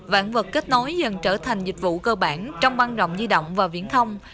vạn vật kết nối dần trở thành dịch vụ cơ bản trong băng rộng di động và viễn thông